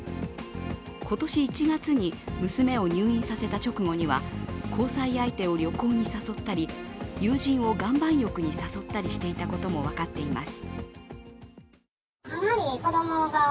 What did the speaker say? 今年１月に娘を入院させた直後には交際相手を旅行に誘ったり友人を岩盤浴に誘ったりしていたことも分かっています。